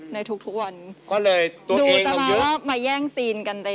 ในทุกทุกวันก็เลยตัวเองต้องเยอะดูจะมารอบมาแย่งซีนกันใน